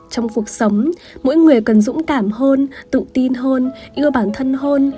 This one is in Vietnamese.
trong cuộc sống mỗi người cần dũng cảm hơn tự tin hơn yêu bản thân hơn